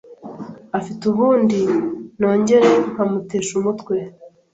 afite ubundi nongera nkamutesha umutwe